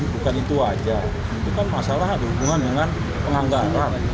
bukan itu aja itu kan masalah ada hubungan dengan penganggaran